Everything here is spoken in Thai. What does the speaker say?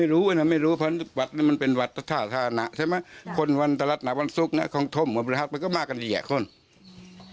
ลงพ่อแล้วที่นี้มันมีภาพถุงยาง